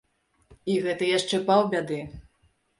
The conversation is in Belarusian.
І гэта яшчэ паўбяды.